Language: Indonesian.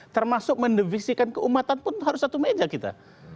termasuk mendevisikan keumatan pun harus satu meja kita